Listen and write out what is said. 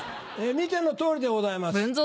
見ての通りでございます。